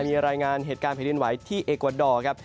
มีรายงานเหตุการณ์แผ่นดินไหวที่เอกวาดอร์ครับ